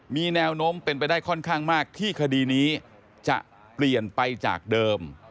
มีแนวโน้มเป็นไปได้ค่อนข้างมากที่คดีนี้จะเปลี่ยนไปจากเดิม